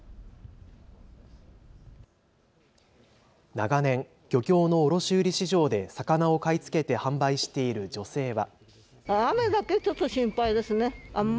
長年、漁協の卸売市場で魚を買い付けて販売している女性は。